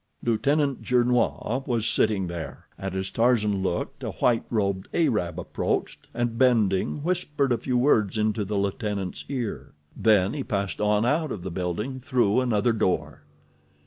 Lieutenant Gernois was sitting there, and as Tarzan looked a white robed Arab approached and, bending, whispered a few words into the lieutenant's ear. Then he passed on out of the building through another door.